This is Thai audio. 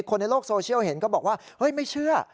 คนในโลกโซเชียลเห็นก็บอกว่าเฮ้ยไม่เชื่อ